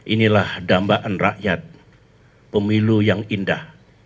inilah dambaan rakyat pemilu yang indah